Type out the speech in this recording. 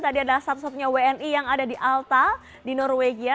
tadi ada sapsotnya wni yang ada di alta di norwegia